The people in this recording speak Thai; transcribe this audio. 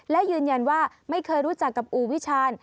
และยืนยันว่าไม่เคยรู้จักกับอู่วิชาญ